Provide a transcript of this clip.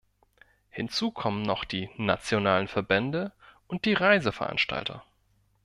Hinzu kommen noch die nationalen Verbände und die Reiseveranstalter.